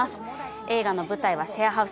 映画の舞台はシェアハウス。